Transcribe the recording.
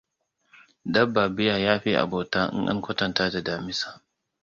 Dabba bear ya fi abontaka in an kwantanta da damisa.